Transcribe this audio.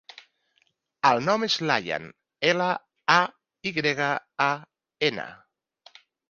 El nom és Layan: ela, a, i grega, a, ena.